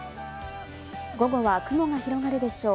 午後は雲が広がるでしょう。